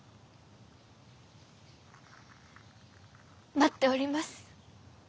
待っております。